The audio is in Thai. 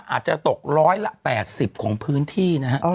อาจจะตกร้อยละ๘๐ของพื้นที่นะฮะ